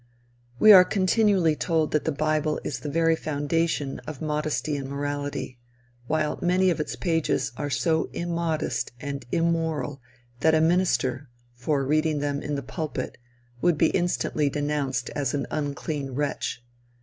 We are continually told that the bible is the very foundation of modesty and morality; while many of its pages are so immodest and immoral that a minister, for reading them in the pulpit, would be instantly denounced as an unclean wretch.